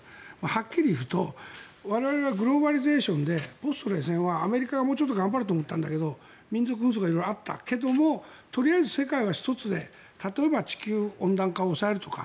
はっきり言うと我々はグローバリゼーションでポスト冷戦はアメリカがもうちょっと頑張ると思ったんだけど民族武装とか色々あったけれどもとにかく世界は一つで地球温暖化を抑えるとか